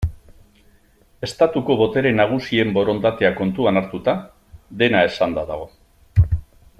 Estatuko botere nagusien borondatea kontuan hartuta, dena esanda dago.